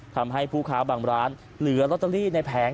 ทำให้ผู้ค้าบางร้านเหลือลอตเตอรี่ในแผง